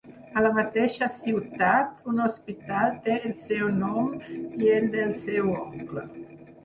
A la mateixa ciutat, un hospital té el seu nom i el del seu oncle.